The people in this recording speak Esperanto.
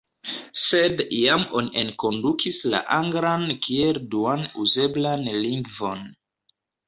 Sed iam oni enkondukis la anglan kiel duan uzeblan lingvon.